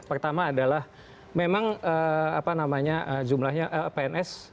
pertama adalah memang apa namanya jumlahnya pns